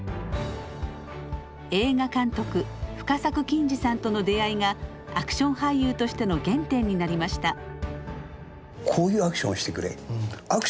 映画監督深作欣二さんとの出会いがアクション俳優としての原点になりました。